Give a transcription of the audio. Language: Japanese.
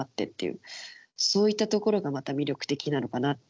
そういったところがまた魅力的なのかなって。